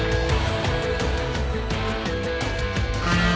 ああ。